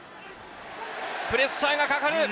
プレッシャーがかかる。